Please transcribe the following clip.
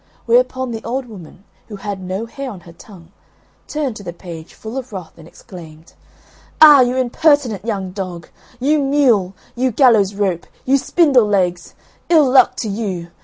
Whereupon the old woman, who had no hair on her tongue, turned to the page, full of wrath, and exclaimed, "Ah, you impertinent young dog, you mule, you gallows rope, you spindle legs! Ill luck to you!